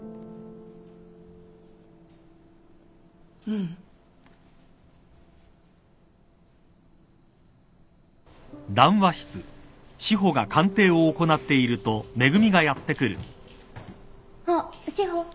ううん。あっ史穂。